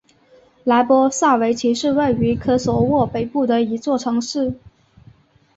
莱波萨维奇是位于科索沃北部的一座城市。